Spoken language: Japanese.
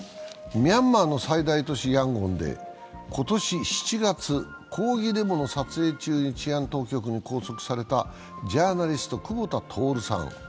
ミャンマーの最大都市・ヤンゴンで今年７月、抗議デモの撮影中に治安当局に拘束されたジャーナリスト、久保田徹さん。